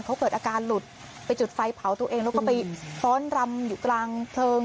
เขาเกิดอาการหลุดไปจุดไฟเผาตัวเองแล้วก็ไปฟ้อนรำอยู่กลางเพลิง